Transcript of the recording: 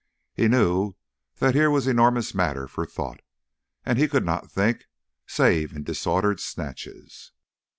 He knew that here was enormous matter for thought, and he could not think save in disordered snatches.